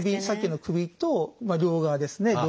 さっきの首とまあ両側ですね